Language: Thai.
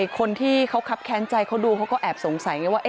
คนที่เขาคับแค้นใจเขาดูเขาก็แอบสงสัยไงว่า